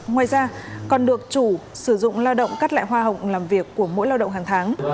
ngoài ra còn được chủ sử dụng lao động cắt lại hoa hồng làm việc của mỗi lao động hàng tháng